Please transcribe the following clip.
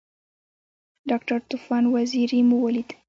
ډاکټر طوفان وزیری مو ولید.